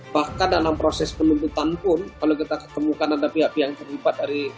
bahkan dalam proses penuntutan pun kalau kita ketemukan ada pihak pihak yang terlibat dari